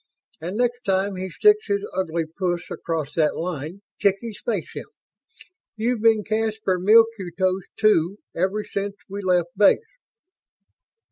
And next time he sticks his ugly puss across that line, kick his face in. You've been Caspar Milquetoast Two ever since we left Base."